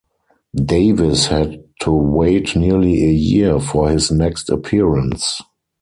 Davies had to wait nearly a year for his next appearance.